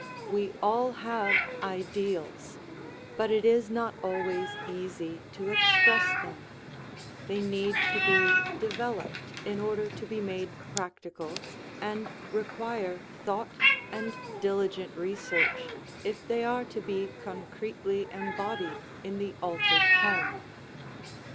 We all have ideals, but it is not always easy to express them; they need to be developed in order to be made practical and require thought and diligent research if they are to be concretely embodied in the altered home.